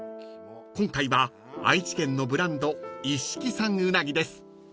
［今回は愛知県のブランド一色産うなぎです］